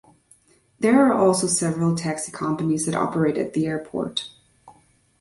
There are also several taxi companies that operate at the airport.